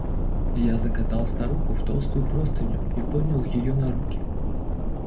Я закатал старуху в толстую простыню и поднял ее на руки.